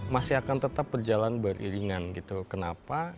masih akan tetap berjalan beriringan gitu kenapa